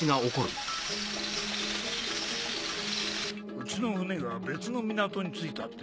うちの船が別の港に着いたって？